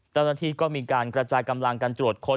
เจ้าหน้าที่ก็มีการกระจายกำลังกันตรวจค้น